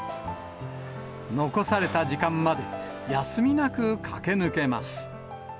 残された時間まで、休みなく駆け抜けます。